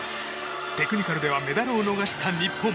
テクニカルではメダルを逃した日本。